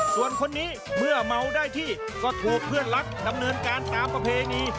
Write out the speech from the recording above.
ส่วนคนนี้เมื่อเมาได้ที่ก็ถูกเพื่อนรักดำเนินการตามประเพณี